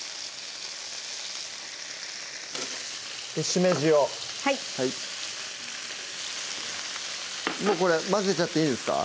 しめじをはいこれ混ぜちゃっていいんですか？